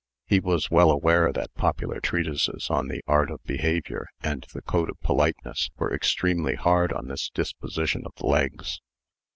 He was well aware that popular treatises on the "Art of Behavior" and the "Code of Politeness" were extremely hard upon this disposition of the legs.